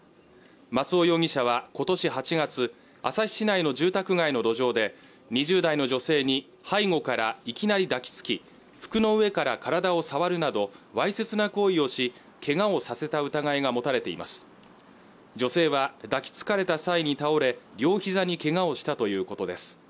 松尾容疑者は今年８月旭市内の住宅街の路上で２０代の女性に背後からいきなり抱きつき服の上から体を触るなどわいせつな行為をしけがをさせた疑いが持たれています女性は抱きつかれた際に倒れ両膝にけがをしたということです